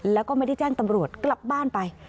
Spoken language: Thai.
แล้วก็ไม่ได้แจ้งตำรวจกลับบ้านไป